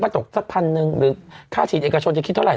มันก็ตกสัก๑๐๐๐บาทหรือค่าฉีดเอกชนจะคิดเท่าไหร่